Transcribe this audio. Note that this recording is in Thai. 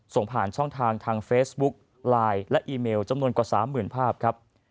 ส่งผ่านช่องทางทางเฟซบุ๊กไลน์และอีเมลจำนวนกว่า๓๐๐๐ภาพครับ